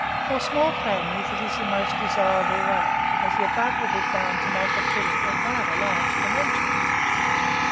For small families this is the most desirable way, as the above will be found to make a pudding of rather large dimensions.